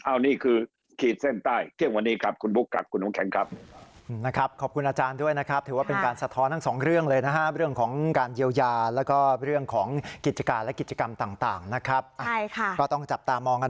อันนี้คือขีดเส้นใต้เที่ยงวันนี้ครับคุณบุ๊คครับคุณน้ำแข็งครับ